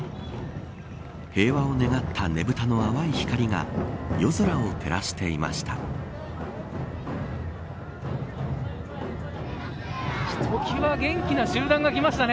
平和を願ったねぶたの淡い光が夜空を照らしていました。